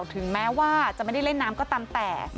ถึงจะบอกว่า